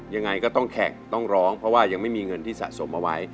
ยังไงก็ต้องแข่งต้องร้องเพราะว่ายังไม่มีเงินที่สะสมเอาไว้